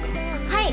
はい！